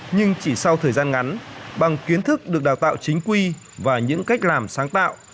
nhưng chỉ sau thời gian ngắn bằng kiến thức được đào tạo chính quy và những cách làm sáng tạo